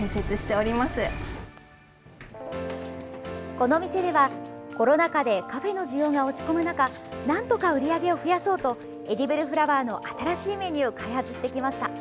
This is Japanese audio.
この店では、コロナ禍でカフェの需要が落ち込む中なんとか売り上げを増やそうとエディブルフラワーの新しいメニューを開発してきました。